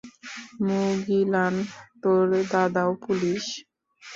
মুগিলান, তোর দাদাও পুলিশ?